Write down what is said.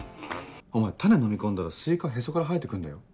お前種のみ込んだらスイカへそから生えて来んだよ。